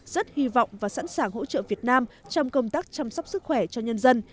rất hy vọng và sẵn sàng hỗ trợ việt nam trong công tác chăm sóc sức khỏe cho nhân dân